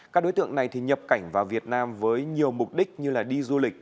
các đối tượng này nhập cảnh vào việt nam với nhiều mục đích như đi du lịch